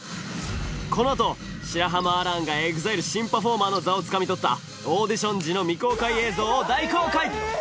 このあと白濱亜嵐がＥＸＩＬＥ新パフォーマーの座をつかみとったオーディション時の未公開映像を大公開！